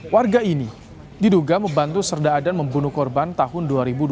warga ini diduga membantu serda adan membunuh korban tahun dua ribu dua puluh